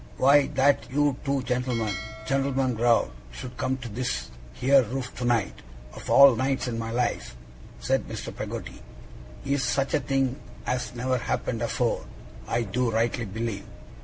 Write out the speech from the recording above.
'Why, that you two gent'lmen gent'lmen growed should come to this here roof tonight, of all nights in my life,' said Mr. Peggotty, 'is such a thing as never happened afore, I do rightly believe!